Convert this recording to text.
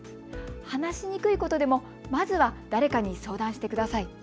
話しにくいことでも、まずは誰かに相談してください。